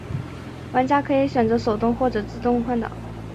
玩家可以选择手动或者自动换挡。